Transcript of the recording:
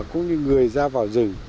cũng như người ra vệ